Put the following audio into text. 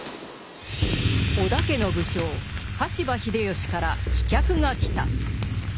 織田家の武将羽柴秀吉から飛脚が来た。